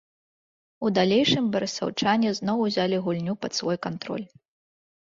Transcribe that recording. У далейшым барысаўчане зноў узялі гульню пад свой кантроль.